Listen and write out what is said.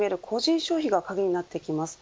消費が鍵になってきます。